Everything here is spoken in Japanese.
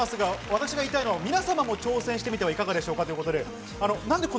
私が言いたいのは、皆様も挑戦してみてはいかがでしょうかということです。